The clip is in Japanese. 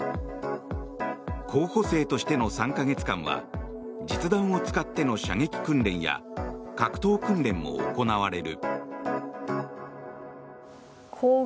候補生としての３か月間は実弾を使っての射撃訓練や格闘訓練も行われる。